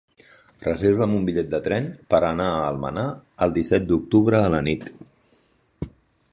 Reserva'm un bitllet de tren per anar a Almenar el disset d'octubre a la nit.